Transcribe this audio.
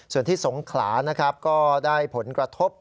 ส่วนที่สงขลาก็ได้ผลกระทบ